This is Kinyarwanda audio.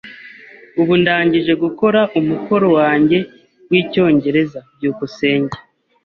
Ubu ndangije gukora umukoro wanjye wicyongereza. byukusenge